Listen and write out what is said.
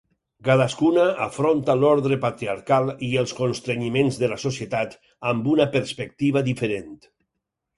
Cadascuna afronta l’ordre patriarcal i els constrenyiments de la societat amb una perspectiva diferent.